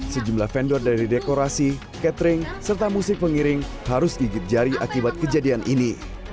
sejumlah vendor dari dekorasi catering serta musik pengiring harus gigit jari akibat kejadian ini